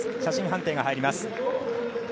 写真判定が入ります。